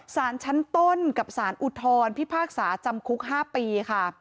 สารชั้นต้นกับสารอุทธรพิพากษาจำคุก๕ปีค่ะ